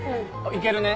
いけるね？